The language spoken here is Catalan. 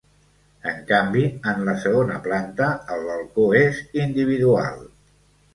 En canvi, en la segona planta, el balcó és individual.